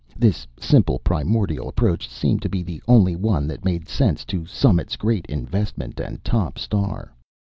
This simple, primordial approach seemed to be the only one that made sense to Summit's greatest investment and top star.